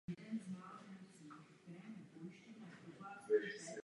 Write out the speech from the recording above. Je členem Jihočeského klubu Obce spisovatelů a Syndikátu novinářů České republiky.